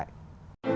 hẹn gặp lại